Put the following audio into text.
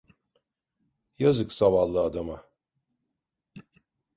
Yazık zavallı adama!